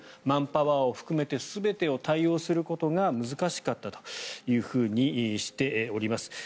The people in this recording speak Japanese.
マンパワーを含めて全てを対応することが難しかったとしております。